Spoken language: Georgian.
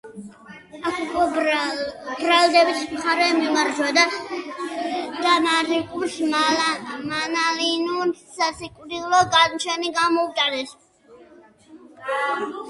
აქ უკვე ბრალდების მხარემ იმარჯვა და მარკუს მანლიუს სასიკვდილო განაჩენი გამოუტანეს.